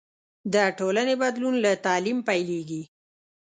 د ټولنې بدلون له تعلیم پیلېږي.